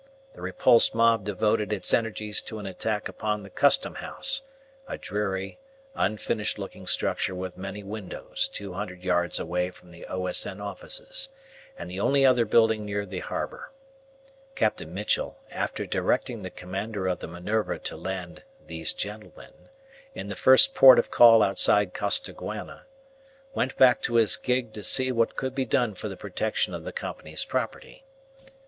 The repulsed mob devoted its energies to an attack upon the Custom House, a dreary, unfinished looking structure with many windows two hundred yards away from the O.S.N. Offices, and the only other building near the harbour. Captain Mitchell, after directing the commander of the Minerva to land "these gentlemen" in the first port of call outside Costaguana, went back in his gig to see what could be done for the protection of the Company's property.